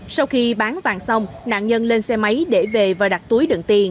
sau khi bán vàng xong nạn nhân lên xe máy để về và đặt túi đựng tiền